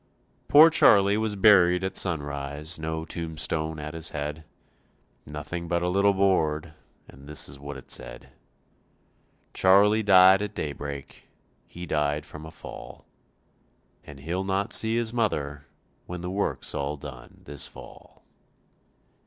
Poor Charlie was buried at sunrise, no tombstone at his head, Nothing but a little board and this is what it said, "Charlie died at daybreak, he died from a fall, And he'll not see his mother when the work's all done this fall."